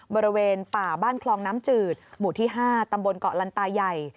บริเวณป่าบ้านคลองน้ำจืดหมู่ที่๕ตำบลเกาะลันตาใหญ่